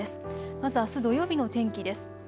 まずあす土曜日の天気です。